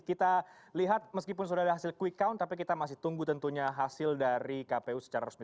kita lihat meskipun sudah ada hasil quick count tapi kita masih tunggu tentunya hasil dari kpu secara resmi